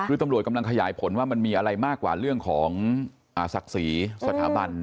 คือตำรวจกำลังขยายผลว่ามันมีอะไรมากกว่าเรื่องของศักดิ์ศรีสถาบัน